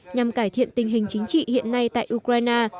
nhằm cải thiện tình hình chính trị hiện nay tại ukraine